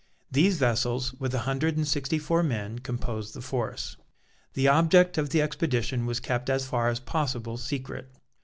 These vessels, with a hundred and sixty four men, composed the force. The object of the expedition was kept as far as possible secret.